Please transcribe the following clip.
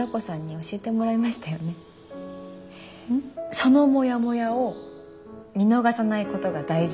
そのモヤモヤを見逃さないことが大事だって。